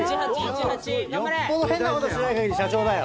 よっぽど変なことしないかぎり社長だよ。